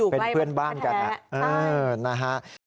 เป็นเพื่อนบ้านกันนะฮะ